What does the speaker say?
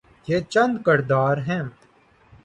یہ چند کردار ہیں۔